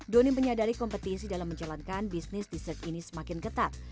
doni menyadari kompetisi dalam menjalankan bisnis dessert ini semakin ketat